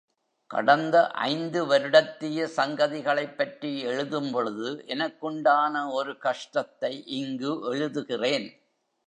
கடந்த ஐந்து வருடத்திய சங்கதி களைப்பற்றி எழுதும்பொழுது, எனக்குண்டான ஒரு கஷ்டத்தை இங்கு எழுதுகிறேன்.